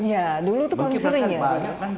ya dulu itu paling sering ya